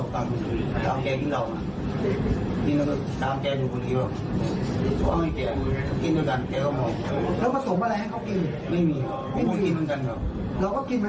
กลิ่นก่อน